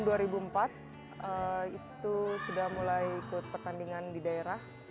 itu sudah mulai ikut pertandingan di daerah